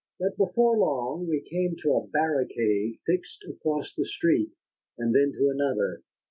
But before long we came to a barricade fixed across the street, and then to another.